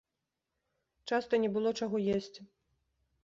Часта не было чаго есці.